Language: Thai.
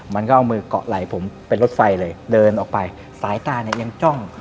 มันก็เอามือเกาะไหล่ผมเป็นรถไฟเลยเดินออกไปสายตาเนี่ยยังจ้อง